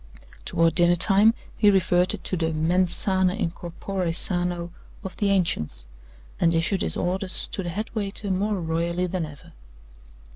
Toward dinner time he reverted to the mens sana in corpore sano of the ancients, and issued his orders to the head waiter more royally than ever.